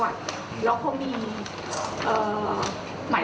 แล้วเขามีหมายเลขบัญชีสมุดบัญชีแล้วก็บัตรประชาชน